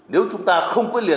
nếu chúng ta không có liệt